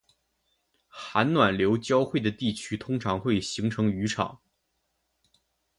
寒暖流交汇的地区通常会形成渔场